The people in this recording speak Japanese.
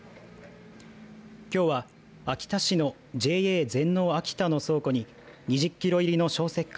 きょうは、秋田市のＪＡ全農あきたの倉庫に２０キロ入りの消石灰